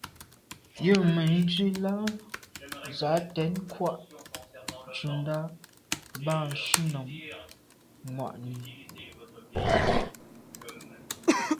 Jə̂ mə̀ndzwí lá zǎ tɛ̌n kghwâ’ ncùndá bâ shúnɔ̀m mwà’nì.